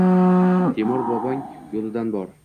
Temur bobong yoʻlidan bor